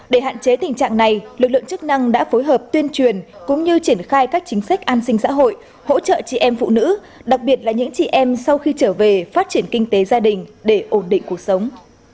để hạn chế tình trạng này lực lượng chức năng đã phối hợp tuyên truyền cũng như triển khai các chính sách an sinh xã hội hỗ trợ chị em phụ nữ đặc biệt là những chị em sau khi trở về phát triển kinh tế gia đình để ổn định cuộc sống